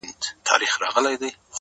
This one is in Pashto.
ته هم چنداني شی ولاکه يې ه ياره;